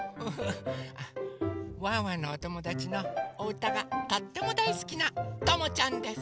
ワンワンのおともだちのおうたがとってもだいすきなともちゃんです。